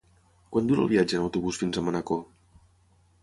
Quant dura el viatge en autobús fins a Manacor?